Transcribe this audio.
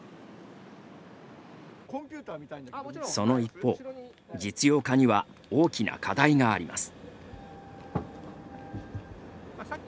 その一方、実用化には大きな課題があります。